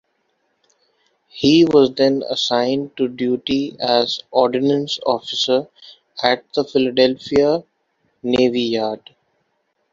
He was then assigned to duty as Ordnance Officer at the Philadelphia Navy Yard.